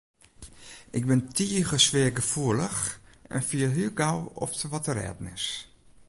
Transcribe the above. Ik bin tige sfeargefoelich en fiel hiel gau oft der wat te rêden is.